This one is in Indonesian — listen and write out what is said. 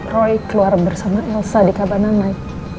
roy keluar bersama elsa di kabananmai